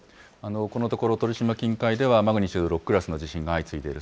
このところ、鳥島近海ではマグニチュード６クラスの地震が相次いでいる。